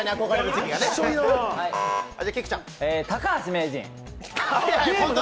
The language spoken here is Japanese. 高橋名人？